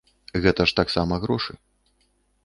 Гэта ж таксама грошы.